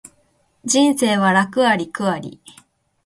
人生は楽あり苦あり